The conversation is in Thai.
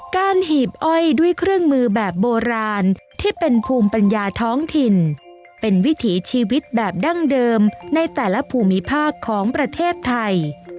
หีบอ้อยด้วยเครื่องมือแบบโบราณที่เป็นภูมิปัญญาท้องถิ่นเป็นวิถีชีวิตแบบดั้งเดิมในแต่ละภูมิภาคของประเทศไทย